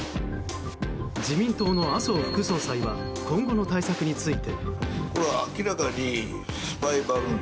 自民党の麻生副総裁は今後の対策について。